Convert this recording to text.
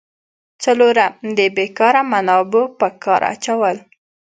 څلورم: د بیکاره منابعو په کار اچول.